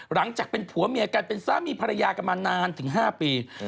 หลังจากเป็นผัวเมียกันเป็นสามีภรรยากันมานานถึง๕ปี